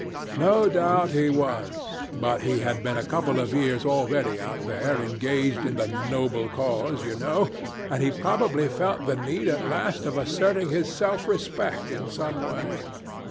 No doubt he was; but he had been a couple of years already out there engaged in the noble cause, you know, and he probably felt the need at last of asserting his self respect in some way.